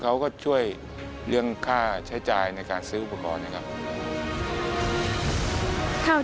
เขาก็ช่วยเรื่องค่าใช้จ่ายในการซื้ออุปกรณ์นะครับ